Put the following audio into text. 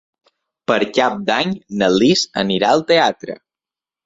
Per Cap d'Any na Lis anirà al teatre.